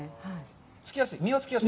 実がつきやすい？